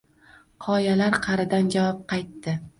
Qoyalar qaʼridan javob qaytdi: